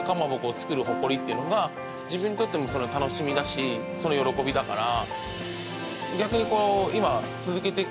自分にとっても楽しみだし喜びだから。